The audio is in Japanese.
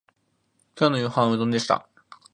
今日の夕飯はうどんでした